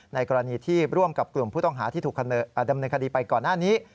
ในกรณีที่ร่วมกับกลุ่มผู้ต้องหาที่ถูกดำเนินคดีไปก่อนหน้านี้